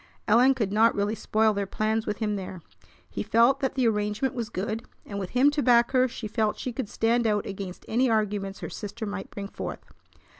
Ellen could not really spoil their plans with him there. He felt that the arrangement was good, and with him to back her she felt she could stand out against any arguments her sister might bring forth.